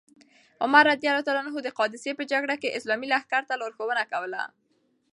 عمر رض د قادسیې په جګړه کې اسلامي لښکر ته لارښوونه کوله.